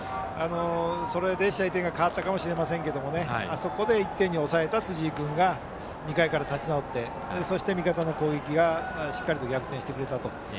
それで試合展開が変わったかもしれませんけどあそこで１点に抑えた辻井君が２回から立ち直って味方の攻撃で逆転してくれた。